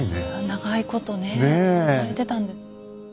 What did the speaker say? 長いことね保存されてたんですね。